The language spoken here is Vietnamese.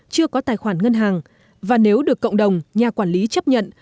chưa có tài khoản ngân hàng và nếu được cộng đồng nhà quản lý chấp nhận